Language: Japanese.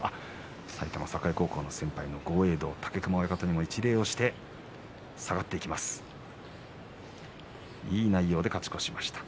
埼玉栄高校の先輩武隈親方にも一礼をして下がっていきました。